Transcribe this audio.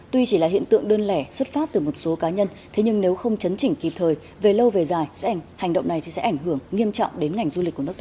tuy chỉ là hiện tượng đơn lẻ xuất phát từ một số cá nhân thế nhưng nếu không chấn chỉnh kịp thời về lâu về dài hành động này sẽ ảnh hưởng